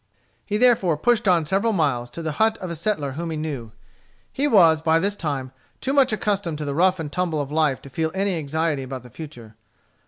He therefore pushed on several miles, to the hut of a settler whom he knew. He was, by this time, too much accustomed to the rough and tumble of life to feel any anxiety about the future.